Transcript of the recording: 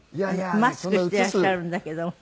マスクしていらっしゃるんだけども。